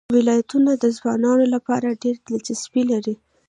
ولایتونه د ځوانانو لپاره ډېره دلچسپي لري.